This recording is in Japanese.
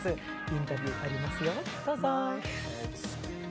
インタビューありますよ、どうぞ。